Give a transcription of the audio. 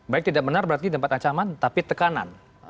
baik tidak benar berarti tempat ancaman tapi tekanan